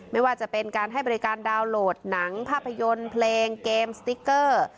ไม่ว่าจะเป็นการให้บริการดาวน์โหลดหนังภาพยนตร์เพลงเกมสติ๊กเกอร์